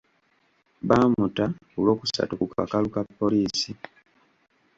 Baamuta ku lwokusatu ku kakalu ka poliisi.